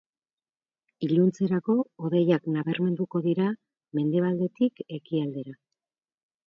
Iluntzerako hodeiak nabarmenduko dira mendebaldetik ekialdera.